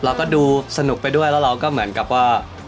เราก็ดูสนุกไปด้วยแล้วเราก็เหมือนกับว่า